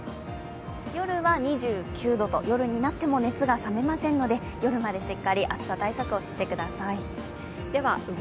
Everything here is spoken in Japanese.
夜は２９度と、夜になっても熱が冷めませんので夜までしっかり暑さ対策をしてください。